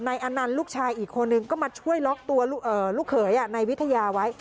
อนันต์ลูกชายอีกคนนึงก็มาช่วยล็อกตัวลูกเขยนายวิทยาไว้